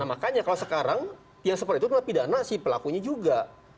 nah makanya kalau sekarang yang seperti itu adalah pidana si pelakunya juga